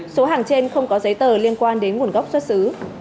số hàng trên không có giấy tờ liên quan đến nguồn gốc xuất xứ